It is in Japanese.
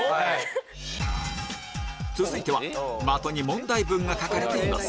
続いては的に問題文が書かれています